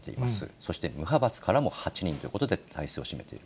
そして無派閥からも８人ということで、大勢を占めている。